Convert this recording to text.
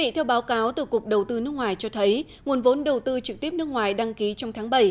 theo báo cáo từ cục đầu tư nước ngoài cho thấy nguồn vốn đầu tư trực tiếp nước ngoài đăng ký trong tháng bảy